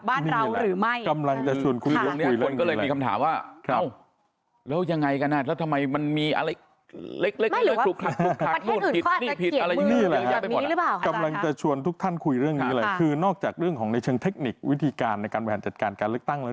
บ้านเราหรือไม่กำลังจะส่วนคุยแล้วมีคำถามว่าครับลูกยังไงกันนะแล้วทำไมมันมีอะไรเล็กเล็ก